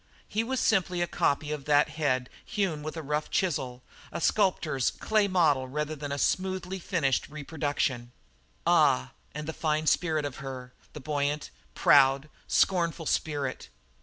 He was simply a copy of that head hewn with a rough chisel a sculptor's clay model rather than a smoothly finished re production. Ah, and the fine spirit of her, the buoyant, proud, scornful spirit!